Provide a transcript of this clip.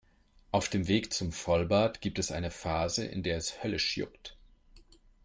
Auf dem Weg zum Vollbart gibt es eine Phase, in der es höllisch juckt.